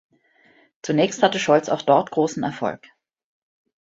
Zunächst hatte Scholz auch dort großen Erfolg.